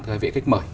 thưa hai vị khách mời